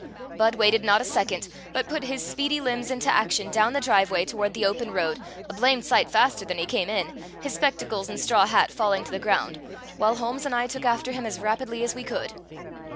Budd waited not a second, but put his speedy limbs into action down the driveway toward the open road a blamed sight faster than he came in, his spectacles and straw hat falling to the ground, while Holmes and I took after him as rapidly as we could.